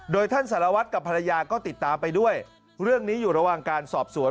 โดยท่านสารวัตรกับภรรยาก็ติดตามไปด้วยเรื่องนี้อยู่ระหว่างการสอบสวน